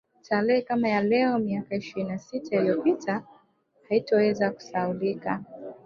Tarehe kama ya leo miaka ishirini na sita iliyopita haitoweza kusahaulika